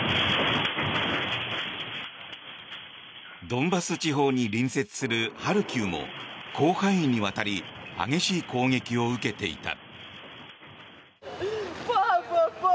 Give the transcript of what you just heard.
ドンバス地方に隣接するハルキウも広範囲にわたり激しい攻撃を受けていた。